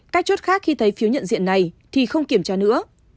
cách chốt khác khi thấy phiếu nhận diện này thì không kiểm tra nữa